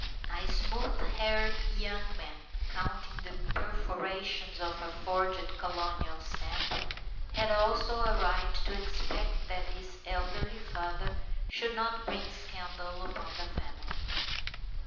A smooth haired young man (counting the perforations of a forged colonial stamp) had also a right to expect that his elderly father should not bring scandal upon the family.